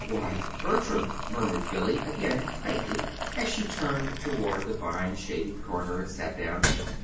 "Why, Bertram," murmured Billy again, faintly, as she turned toward the vine shaded corner and sat down.